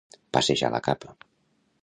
Passejar la capa.